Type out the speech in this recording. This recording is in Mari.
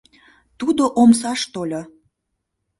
«Тудо омсаш тольо.